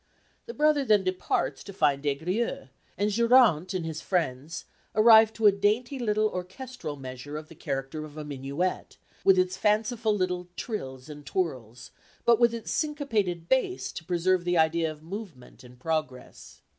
The brother then departs to find Des Grieux, and Geronte and his friends arrive to a dainty little orchestral measure of the character of a minuet, with its fanciful little trills and twirls, but with its syncopated bass to preserve the idea of movement and progress.